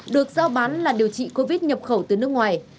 được giao bán là điều trị covid nhập khẩu từ nước ngoài